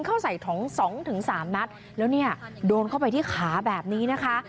เข้าใส่ถุงสองถึงสามนัดแล้วเนี่ยโดนเข้าไปที่ขาแบบนี้นะคะ